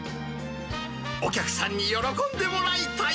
お客さんに喜んでもらいたい。